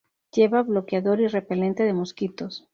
Lleva bloqueador y repelente de mosquitos.